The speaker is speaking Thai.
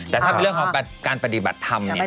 แต่ถ้าเป็นเรื่องของการปฏิบัติธรรมเนี่ย